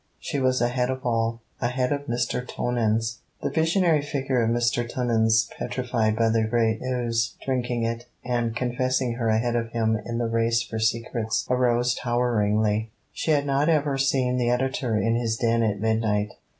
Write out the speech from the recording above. She was ahead of all ahead of Mr. Tonans! The visionary figure of Mr. Tonans petrified by the great news, drinking it, and confessing her ahead of him in the race for secrets, arose toweringly. She had not ever seen the Editor in his den at midnight.